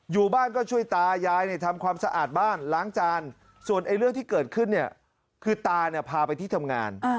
อยู่บ้านก็ช่วยตายายทำความสะอาดบ้านล้างจาน